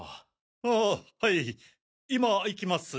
あはい今行きます。